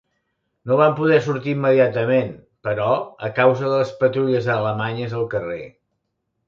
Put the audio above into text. No van poder sortir immediatament, però, a causa de les patrulles alemanyes al carrer.